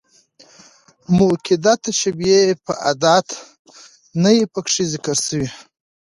مؤکده تشبيه، چي ادات نه يي پکښي ذکر سوي.